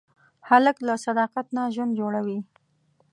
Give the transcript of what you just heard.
هلک له صداقت نه ژوند جوړوي.